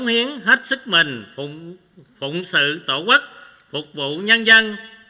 tôi nguyện cống hiến hết sức mình phụng sự tổ quốc phục vụ nhân dân